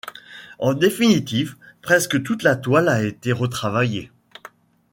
En définitive, presque toute la toile a été retravaillée.